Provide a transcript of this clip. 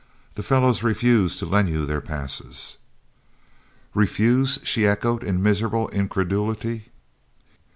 The fellows refuse to lend you their passes." "Refuse!" she echoed in miserable incredulity.